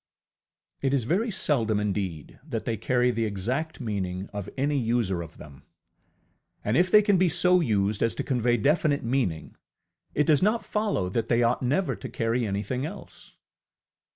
ŌĆØ It is very seldom indeed that they carry the exact meaning of any user of them! And if they can be so used as to convey definite meaning, it does not follow that they ought never to carry anything else.